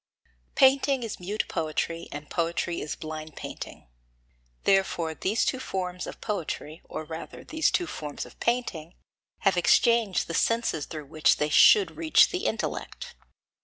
15. Painting is mute poetry, and poetry is blind painting. Therefore these two forms of poetry, or rather these two forms of painting, have exchanged the senses through which they should reach the intellect.